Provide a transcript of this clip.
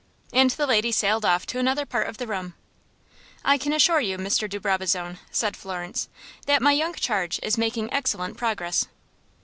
And the lady sailed off to another part of the room. "I can assure you, Mr. de Brabazon," said Florence, "that my young charge is making excellent progress."